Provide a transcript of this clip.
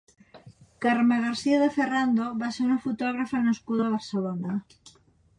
Carme García de Ferrando va ser una fotògrafa nascuda a Barcelona.